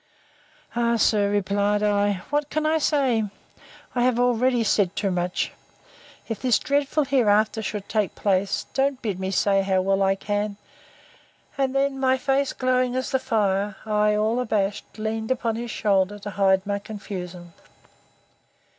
Ah, sir! replied I, what can I say? I have already said too much, if this dreadful hereafter should take place. Don't bid me say how well I can—And then, my face glowing as the fire, I, all abashed, leaned upon his shoulder, to hide my confusion.